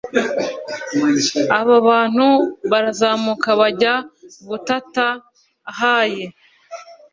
abo bantu barazamuka bajya gutata hayi